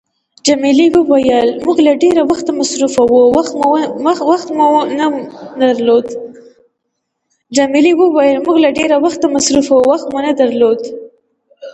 جميلې وويل: موږ له ډېره وخته مصروفه وو، وخت مو نه درلود.